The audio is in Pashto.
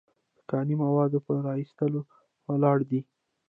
د کاني موادو په را ایستلو ولاړ دی.